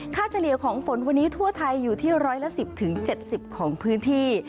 ค่าเจรียร์ของฝนวันนี้ทั่วไทยอยู่ที่๑๑๐๗๐ของพื้นที่